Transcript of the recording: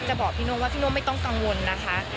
บอกพี่โน่ว่าพี่โน่ไม่ต้องกังวลนะคะ